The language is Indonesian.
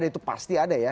ya itu pasti ada